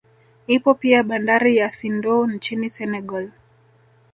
Ipo pia bandari ya Sendou nchini Senegal